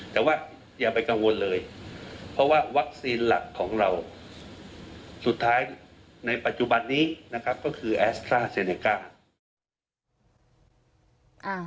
แต่ว่าอย่าไปกังวลเลยเพราะว่าวัคซีนหลักของเราสุดท้ายในปัจจุบันนี้นะครับก็คือแอสตราเซเนก้า